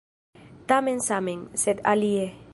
Tamen same, sed alie!